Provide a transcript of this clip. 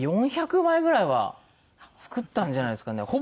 ４００枚ぐらいは作ったんじゃないですかね。